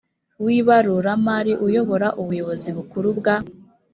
w ibaruramari uyobora ubuyobozi bukuru bwa